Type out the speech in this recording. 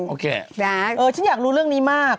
โอเคฉันอยากรู้เรื่องนี้มาก